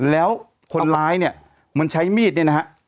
แล้วคนร้ายเนี่ยมันใช้มีดเนี่ยนะฮะ